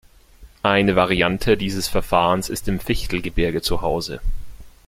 Eine Variante dieses Verfahrens ist im Fichtelgebirge zu Hause.